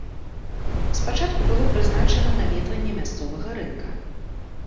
Спачатку было прызначана наведванне мясцовага рынка.